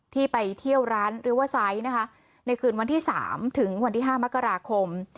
ที่ไปเที่ยวร้านเรียกว่าไซค์นะคะในคืนวันที่สามถึงวันที่ห้ามกราคม